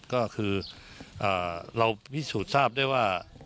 ก็คือเราพิสูจน์ทราบได้ว่า